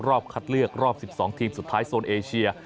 รอบคัดเลือกรอบ๑๒ทีมสุดท้ายโซนเอเชีย